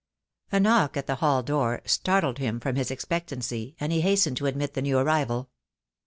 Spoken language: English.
A knock at the hall door startled him from his expectancy, and he hastened to admit the new arrival.